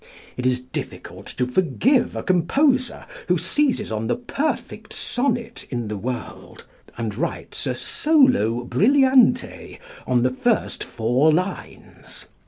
It is difficult to forgive a composer who seizes on the perfect sonnet in the world and writes a "Solo Brilliante" on the first four lines.